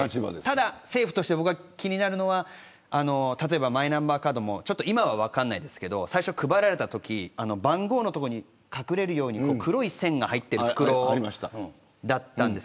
ただ、政府として気になるのはマイナンバーカードも今は分かりませんけど最初に配られたときに番号の所に隠れるように黒い線が入っている袋でした。